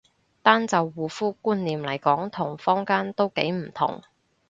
單就護膚觀念嚟講同坊間都幾唔同